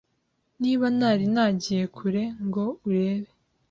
Niba ntari nagiye kure…. Ngo urebe